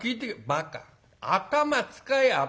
「バカ頭使え頭。